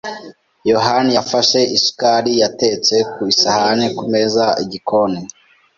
yohani yafashe isukari yatetse ku isahani kumeza yigikoni.